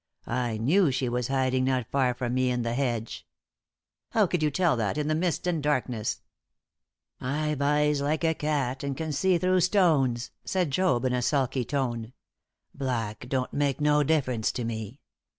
I knew she was hiding not far from me in the hedge." "How could you tell that, in the mist and darkness?" "I've eyes like a cat, and can see through stones," said Job, in a sulky tone. "Black don't make no difference to me.